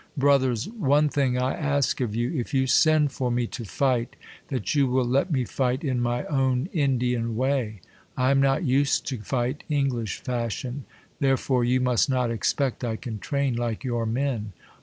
Brothers! one diing I ask of you, if you send for ine to fight, that you will let me fight in my own Indian way. I am not used to fight English fashion ; there fore you must not expect 1 can train like your men.